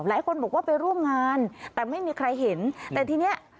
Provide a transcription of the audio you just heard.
หลายคนบอกว่าไปร่วมงานแต่ไม่มีใครเห็นแต่ทีเนี้ย